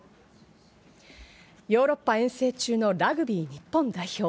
ヨーロッパ遠征中のラグビー日本代表。